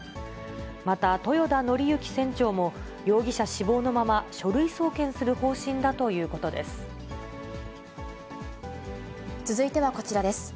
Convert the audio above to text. また、豊田徳幸船長も、容疑者死亡のまま、書類送検する方針だというこ続いてはこちらです。